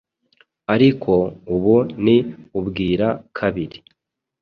ariko ubu ni ubwira kabiri